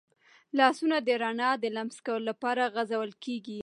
لاسونه د رڼا د لمس کولو لپاره غځول کېږي.